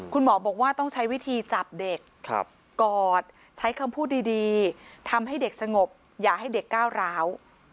คุณหมอบอกว่าต้องใช้วิธีจับเด็กกอดใช้คำพูดดีทำให้เด็กสงบอย่าให้เด็กก้าวร้าว